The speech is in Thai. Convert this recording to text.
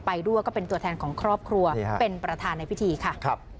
ด้วยก็เป็นตัวแทนของครอบครัวเป็นประธานในพิธีค่ะ